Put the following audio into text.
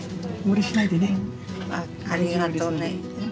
無理しないでね。